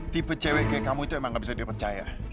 tipe cewek kayak kamu itu emang nggak bisa dipercaya